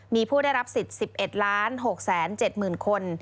มีผู้ได้รับสิทธิ์๑๑๖๗๐๐๐คน